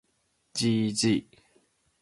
gg